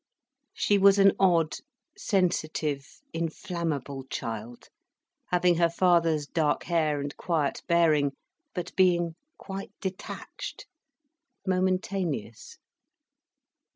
She was an odd, sensitive, inflammable child, having her father's dark hair and quiet bearing, but being quite detached, momentaneous.